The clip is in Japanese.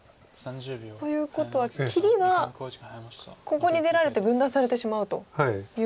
ということは切りはここに出られて分断されてしまうということで。